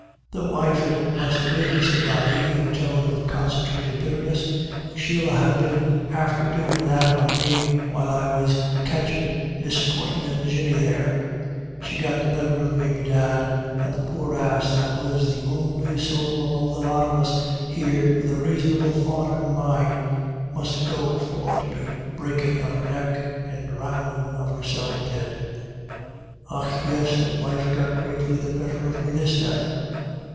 " The wife it must ha* been," said Ody, in a tone of concentrated bitterness, "she'll ha* been after doin* that on me while I was catchin* misfortnit Jinny there. She got the better of me, bedad. And the poor ass, that was the on'y sowl among the lot of us here wid a raisonable thought in her mind, must go for to be breakin* of her neck and drowndin' of herself dead. Och yis, the wife got \ greatly the better of me this time."